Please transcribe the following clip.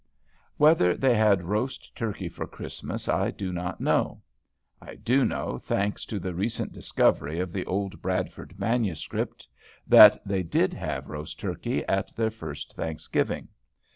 Whether they had roast turkey for Christmas I do not know. I do know, thanks to the recent discovery of the old Bradford manuscript, that they did have roast turkey at their first Thanksgiving.